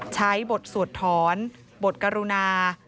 ใช้บทสวดถอนบทกรุณา